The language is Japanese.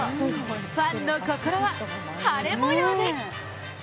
ファンの心は晴れ模様です。